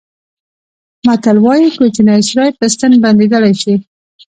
متل وایي کوچنی سوری په ستن بندېدلای شي.